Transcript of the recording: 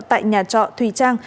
tại nhà trọ thùy trang